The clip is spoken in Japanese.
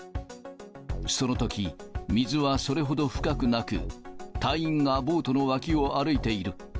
そのとき、水はそれほど深くなく、隊員がボートの脇を歩いている。